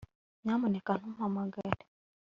Nyamuneka ntumpamagare